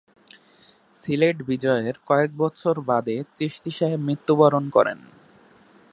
সিলেট বিজয়ের কয়েক বছর বাদে চিশতী সাহেব মৃত্যুবরণ করেন।